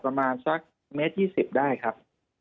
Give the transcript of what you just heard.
ประมาณสักเม็ดยี่สิบได้ครับ